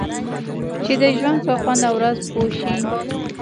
چې د ژوند په خوند او راز پوه شئ.